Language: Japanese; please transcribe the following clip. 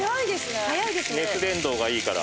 熱伝導がいいから。